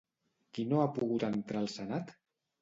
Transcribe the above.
Qui no ha pogut entrar al Senat?